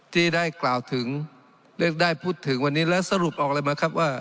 ที่ได้กล่าวถึงได้พูดถึงวันนี้แล้วสรุปออกเลยมาครับว่า